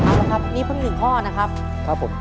เอาละครับนี่เพิ่ง๑ข้อนะครับผมจะเรียกครับผม